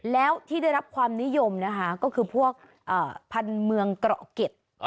แล้วที่ได้รับความนิยมนะคะก็คือพวกพันธุ์เมืองเกราะเก็ต